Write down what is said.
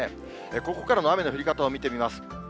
ここからの雨の降り方を見てみます。